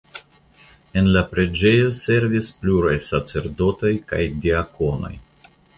En la preĝejo servis pluraj sacerdotoj kaj diakonoj.